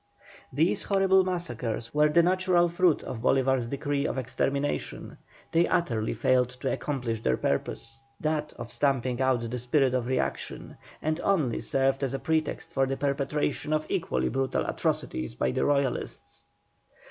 These horrible massacres were the natural fruit of Bolívar's decree of extermination. They utterly failed to accomplish their purpose, that of stamping out the spirit of reaction, and only served as a pretext for the perpetration of equally brutal atrocities by the Royalists.